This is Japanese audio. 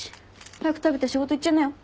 早く食べて仕事行っちゃいなよ。